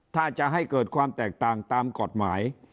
ถ้าจะให้เกิดความแตกต่างตามกฎหมาย